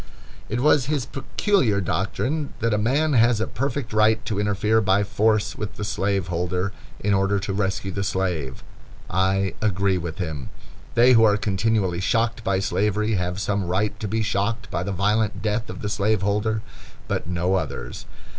It was his peculiar doctrine that a man has a perfect right to interfere by force with the slaveholder, in order to rescue the slave. I agree with him. They who are continually shocked by slavery have some right to be shocked by the violent death of the slaveholder, but no others.